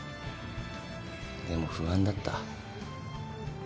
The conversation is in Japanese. でも不安だった。